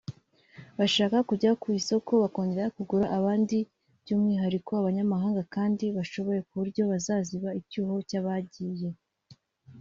bashaka kujya ku isoko bakongera kugura abandi by’umwihariko abanyamahanga kandi bashoboye ku buryo bazaziba icyuho cy’abagiye